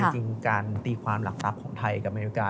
จริงการตีความหลักทรัพย์ของไทยกับอเมริกา